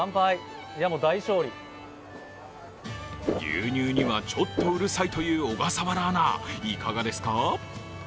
牛乳には、ちょっとうるさいという小笠原アナ、いかがですか？